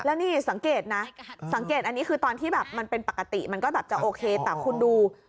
แล้วนี่สังเกตนะสังเกตอันนี้คือตอนที่แบบมันเป็นปกติมันก็แบบจะโอเคแต่คุณดู